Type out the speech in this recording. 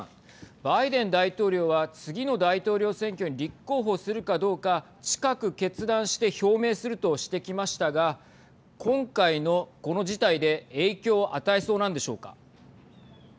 バイデン大統領は次の大統領選挙に立候補するかどうか近く決断して表明するとしてきましたが今回の、この事態で影響を与えそうなんでしょうか。